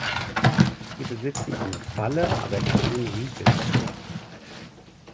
Sie besitzen eine Falle, aber keinen Riegel.